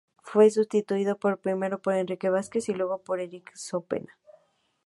Fue sustituido primero por Enrique Vázquez y luego por Enric Sopena.